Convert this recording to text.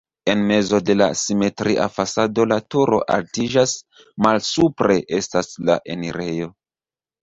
En mezo de la simetria fasado la turo altiĝas, malsupre estas la enirejo.